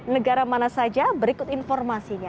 negara mana saja berikut informasinya